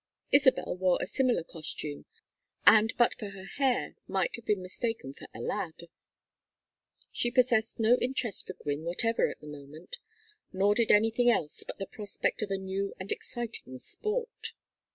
Isabel wore a similar costume, and but for her hair might have been mistaken for a lad. She possessed no interest for Gwynne whatever at the moment. Nor did anything else but the prospect of a new and exciting sport.